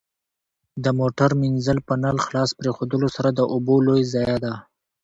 د موټر مینځل په نل خلاص پرېښودلو سره د اوبو لوی ضایع ده.